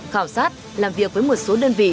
khảo sát làm việc với một số đơn vị